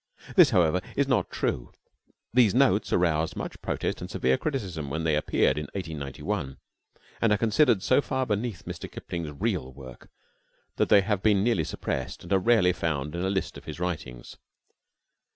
This, however, is not true. These "Notes" aroused much protest and severe criticism when they appeared in 1891, and are considered so far beneath Mr. Kipling's real work that they have been nearly suppressed and are rarely found in a list of his writings.